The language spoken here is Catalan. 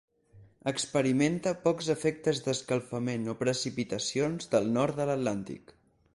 Experimenta pocs efectes d'escalfament o precipitacions del nord de l'Atlàntic.